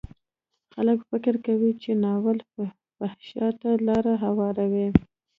خلک فکر کوي چې ناول فحشا ته لار هواروي.